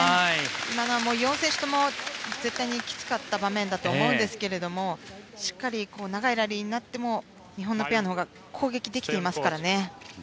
今のは４選手とも絶対にきつかったと思いますがしっかり長いラリーになっても日本のペアのほうが攻撃できていますからね。